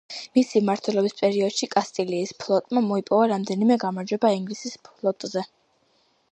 მისი მმართველობის პერიოდში კასტილიის ფლოტმა მოიპოვა რამდენიმე გამარჯვება ინგლისის ფლოტზე.